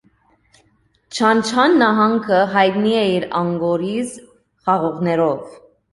Զանջան նահանգը հայտնի է իր անկորիզ խաղողներով։